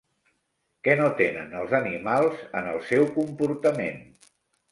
Què no tenen els animals en el seu comportament?